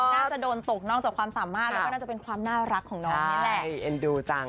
น่าจะโดนตกนอกจากความสามารถแล้วก็น่าจะเป็นความน่ารักของน้องนี่แหละ